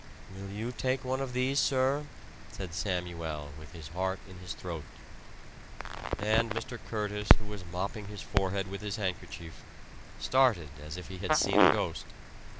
"Will you take one of these, sir?" said Samuel, with his heart in his throat. And Mr. Curtis who was mopping his forehead with his handkerchief, started as if he had seen a ghost.